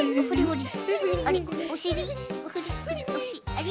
あれ？